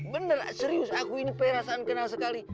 benar serius aku ini perasaan kenal sekali